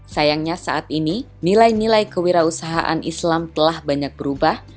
sayangnya saat ini nilai nilai kewirausahaan islam telah banyak berubah